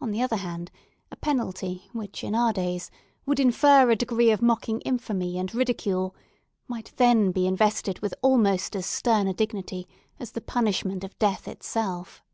On the other hand, a penalty which, in our days, would infer a degree of mocking infamy and ridicule, might then be invested with almost as stern a dignity as the punishment of death itself.